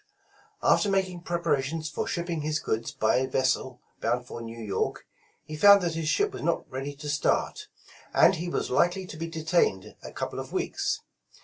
After making preparations for shipping his goods by a vessel bound for New York, he found that his ship was not ready to start, and he was likely to be detained a couple of weeks.